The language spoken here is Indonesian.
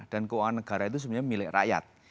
dan keuangan negara itu sebenarnya milik rakyat